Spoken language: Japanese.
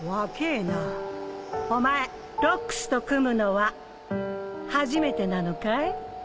お前ロックスと組むのは初めてなのかい？